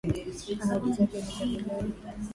Ahadi zake ni za milele.